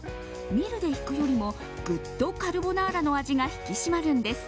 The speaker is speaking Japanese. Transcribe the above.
ミルでひくよりもぐっとカルボナーラの味が引き締まるんです。